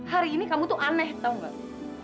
hari ini kamu tuh aneh tau gak